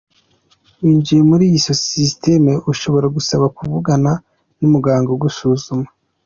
Winjiye muri iyo sisiteme ushobora gusaba kuvugana n’umuganga ugusuzuma.